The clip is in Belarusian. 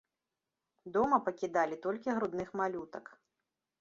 Дома пакідалі толькі грудных малютак.